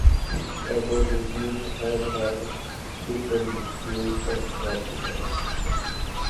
Abolitionists have had differing views on slave suicide.